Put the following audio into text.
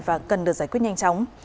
và cần được giải quyết nhanh chóng